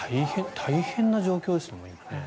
大変な状況ですよね、今。